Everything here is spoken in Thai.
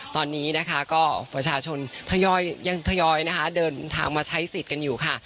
ตอนนี้นะคะก็ประชาชนทยอยยังทยอยนะคะเดินทางมาใช้สิทธิ์กันอยู่ค่ะ